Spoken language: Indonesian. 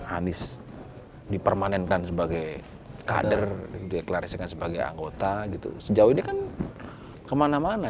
anies dipermanenkan sebagai kader dideklarasikan sebagai anggota gitu sejauh ini kan kemana mana